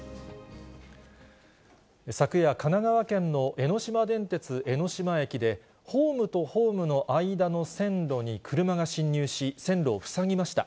昨夜、神奈川県の江ノ島電鉄江ノ島駅で、ホームとホームの間の線路に車が進入し、線路を塞ぎました。